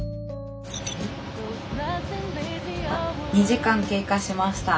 ２時間経過しました。